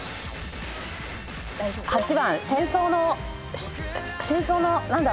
８番戦争の戦争の何だろう。